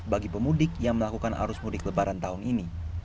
bagi pemudik yang melakukan arus mudik lebaran tahun ini